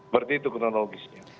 berarti itu kronologisnya